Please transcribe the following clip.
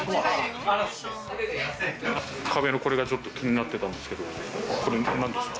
壁のこれが気になってたんですけど、なんですか？